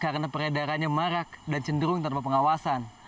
karena peredarannya marak dan cenderung tanpa pengawasan